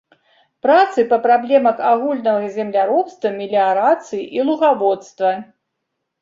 Працы па праблемах агульнага земляробства, меліярацыі і лугаводства.